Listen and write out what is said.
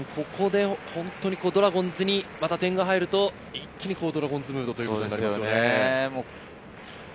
亀梨さん、ドラゴンズにまた点が入ると、一気にドラゴンズムードとなりますね。